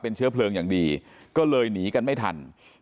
เชื้อเพลิงอย่างดีก็เลยหนีกันไม่ทัน